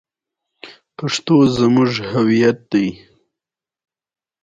هر څوک باید د خپل کور عزت وساتي.